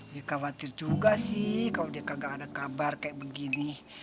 ya khawatir juga sih kalau dia kagak ada kabar kayak begini